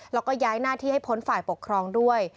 แล้วก็ย้ายหน้าที่ให้พ้นฝ่ายปกครองด้วย